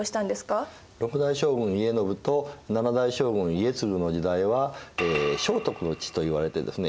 ６代将軍・家宣と７代将軍・家継の時代は「正徳の治」といわれてですね